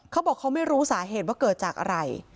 เขาบอกเขาไม่รู้สาเหตุว่าเกิดจากอะไร